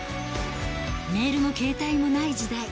メールも携帯もない時代。